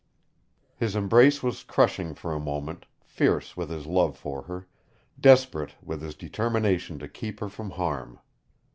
His embrace was crushing for a moment, fierce with his love for her, desperate with his determination to keep her from harm.